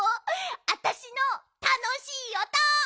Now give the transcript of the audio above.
あたしのたのしいおと！